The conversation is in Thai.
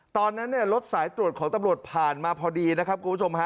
ตอนนั้นเนี่ยรถสายตรวจของตำรวจผ่านมาพอดีนะครับคุณผู้ชมฮะ